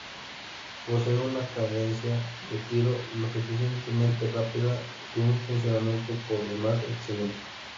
Posee una cadencia de tiro lo suficientemente rápida y un funcionamiento por demás excelente.